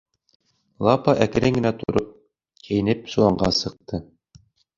Лапа әкрен генә тороп, кейенеп соланға сыҡты.